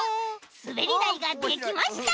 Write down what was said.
すべりだいができました！